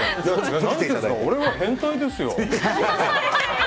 俺は変態ですよ。